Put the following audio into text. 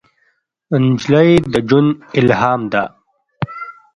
نجلۍ د ژوند الهام ده.